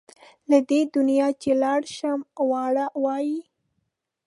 له دې دنیا چې لاړ شم واړه وایي.